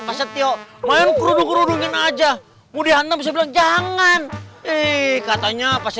pak setio main kurudung kurudungin aja mudah mudahan bisa bilang jangan eh katanya pas